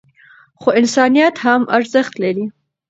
خو انسانیت هم ارزښت لري.